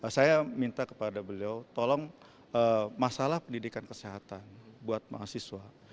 saya minta kepada beliau tolong masalah pendidikan kesehatan buat mahasiswa